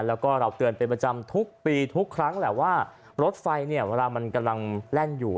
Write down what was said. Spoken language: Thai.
แล้วก็เราเตือนเป็นประจำทุกปีทุกครั้งแหละว่ารถไฟเนี่ยเวลามันกำลังแล่นอยู่